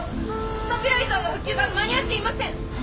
スタビライザーの復旧が間に合っていません」。